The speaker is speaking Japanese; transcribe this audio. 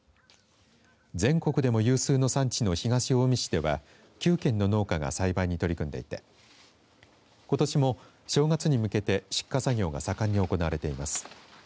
全国でも有数の産地の東近江市では９軒の農家が栽培に取り組んでいてことしも正月に向けて出荷作業が盛んに行われています。